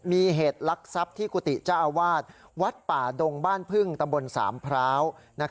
มีเหตุลักษัพที่กุฏิเจ้าอาวาสวัดป่าดงบ้านพึ่งตำบลสามพร้าว